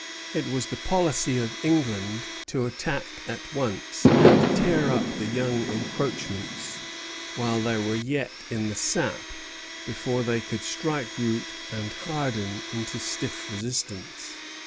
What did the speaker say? It was the policy of England to attack at once, and tear up the young encroachments while they were yet in the sap, before they could strike root and harden into stiff resistance.